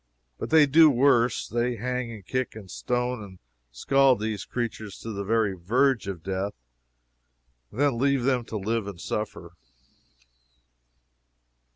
But they do worse. They hang and kick and stone and scald these wretched creatures to the very verge of death, and then leave them to live and suffer.